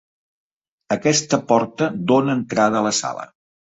Aquesta porta dona entrada a la sala.